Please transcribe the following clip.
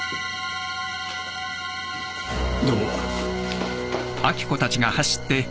どうも。